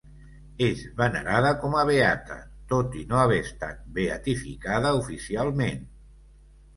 És venerada com a beata, tot i no haver estat beatificada oficialment.